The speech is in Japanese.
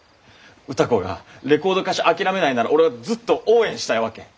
歌子がレコード歌手諦めないなら俺はずっと応援したいわけ。